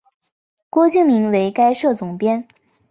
郭敬明为该社总编。